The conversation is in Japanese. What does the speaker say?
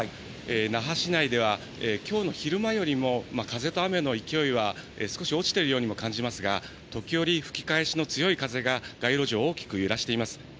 那覇市内では、きょうの昼間よりも、風と雨の勢いは少し落ちているようにも感じますが、時折吹き返しの強い風が、街路樹を大きく揺らしています。